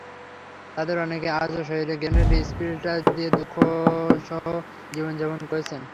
তাঁদের অনেকে আজও শরীরে গ্রেনেডের স্প্লিন্টার নিয়ে দুঃসহ জীবন যাপন করছেন।